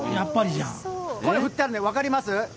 これ振ってあるの分かります？